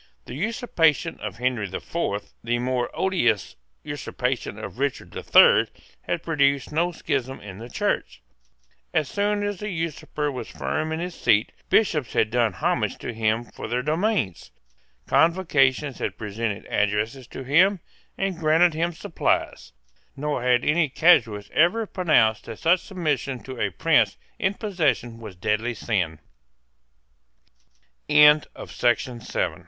The usurpation of Henry the Fourth, the more odious usurpation of Richard the Third, had produced no schism in the Church. As soon as the usurper was firm in his seat, Bishops had done homage to him for their domains: Convocations had presented addresses to him, and granted him supplies; nor had any casuist ever pronounced that such submission to a prince in possession was deadly sin, With the pra